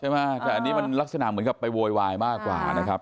ใช่ไหมแต่อันนี้มันลักษณะเหมือนกับไปโวยวายมากกว่านะครับ